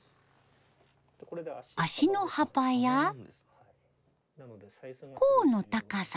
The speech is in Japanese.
足の幅や甲の高さ。